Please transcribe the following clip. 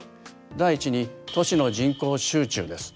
第１に都市の人口集中です。